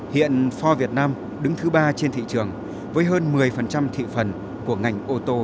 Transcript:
hiện fores việt nam đứng thứ ba trên thị trường với hơn một mươi thị phần của ngành ô tô